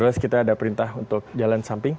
terus kita ada perintah untuk jalan samping